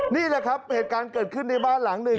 นี่แหละครับเหตุการณ์เกิดขึ้นในบ้านหลังหนึ่ง